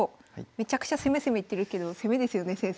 めちゃくちゃ「攻め攻め」言ってるけど攻めですよね先生。